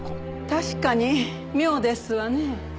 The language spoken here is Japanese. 確かに妙ですわね。